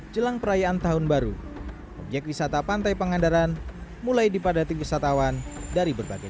jelang perayaan tahun baru objek wisata pantai pangandaran mulai dipadati wisatawan dari berbagai